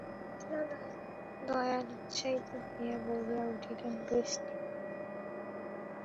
কৃষ্ণদয়াল উৎসাহিত হইয়া বলিয়া উঠিলেন, বেশ তো।